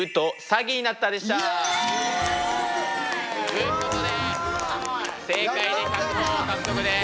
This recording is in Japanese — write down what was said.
イエイ！ということで正解で１００ほぉ獲得です。